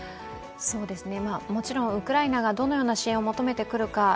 もちろんウクライナがどのような支援を求めてくるか